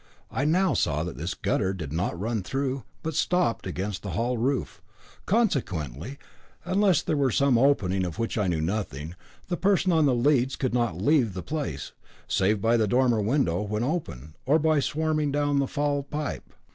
I now saw that this gutter did not run through, but stopped against the hall roof; consequently, unless there were some opening of which I knew nothing, the person on the leads could not leave the place, save by the dormer window, when open, or by swarming down the fall pipe.